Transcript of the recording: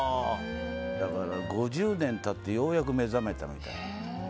だから５０年経ってようやく目覚めたみたいな。